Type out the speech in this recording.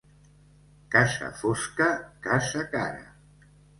Casa fosca, casa cara.